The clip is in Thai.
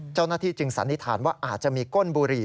เจ้าหน้าที่จึงสันนิษฐานว่าอาจจะมีก้นบุหรี่